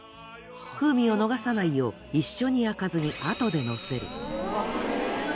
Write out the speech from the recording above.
風味を逃さないよう一緒に焼かずにあとでのせる。